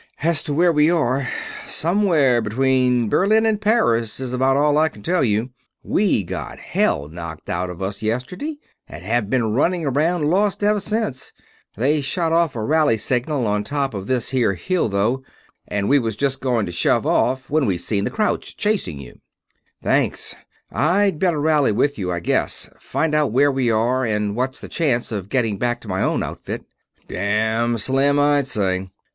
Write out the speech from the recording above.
"As to where we are, somewhere between Berlin and Paris is about all I can tell you. We got hell knocked out of us yesterday, and have been running around lost ever since. They shot off a rally signal on top of this here hill, though, and we was just going to shove off when we seen the krauts chasing you." "Thanks. I'd better rally with you, I guess find out where we are, and what's the chance of getting back to my own outfit." "Damn slim, I'd say.